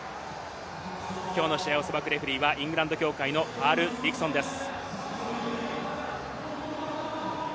きょうの試合を裁くレフェリーはイングランド協会のカール・ディクソンです。